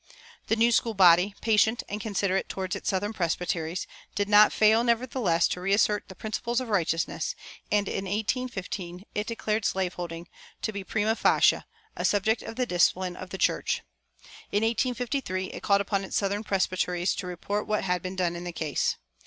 The New School body, patient and considerate toward its southern presbyteries, did not fail, nevertheless, to reassert the principles of righteousness, and in 1850 it declared slave holding to be prima facie a subject of the discipline of the church. In 1853 it called upon its southern presbyteries to report what had been done in the case.